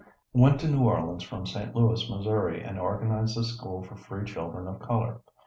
went to New Orleans from St. Louis, Missouri, and organized a school for free children of color.